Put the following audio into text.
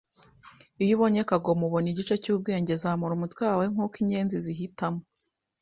Iyo ubonye kagoma ubona igice cyubwenge zamura umutwe wawe Nkuko inyenzi zihitamo